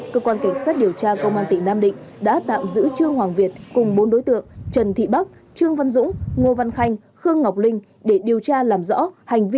cơ quan cảnh sát điều tra công an tỉnh nam định đã tạm giữ trương hoàng việt cùng bốn đối tượng trần thị bắc trương văn dũng ngô văn khanh khương ngọc linh để điều tra làm rõ hành vi